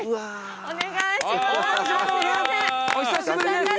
お願いします。